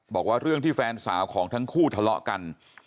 บอกว่าเรื่องที่แฟนสาวของทั้งคู่ทะเลาะกัน